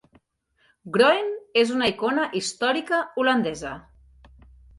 Groen és una icona històrica holandesa.